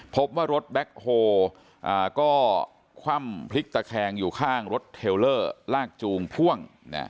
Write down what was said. พบว่ารถแบ็คโฮก็คว่ำพลิกตะแคงอยู่ข้างรถเทลเลอร์ลากจูงพ่วง